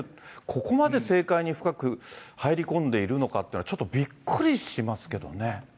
ここまで政界に深く入り込んでいるのかっていうのは、ちょっとびっくりしますけどね。